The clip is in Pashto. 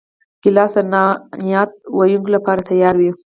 ګیلاس د نعت ویونکو لپاره تیار وي.